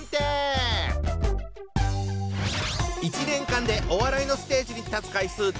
１年間でお笑いのステージに立つ回数